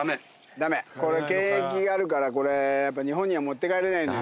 検疫があるからこれやっぱ日本には持って帰れないんだよ。